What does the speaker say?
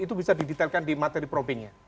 itu bisa didetailkan di materi profitnya